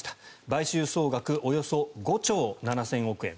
買収総額およそ５兆７０００億円。